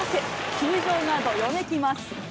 球場がどよめきます。